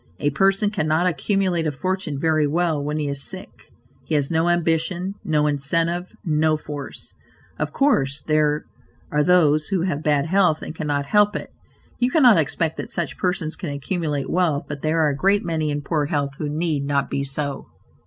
A person cannot accumulate a fortune very well when he is sick. He has no ambition; no incentive; no force. Of course, there are those who have bad health and cannot help it: you cannot expect that such persons can accumulate wealth, but there are a great many in poor health who need not be so.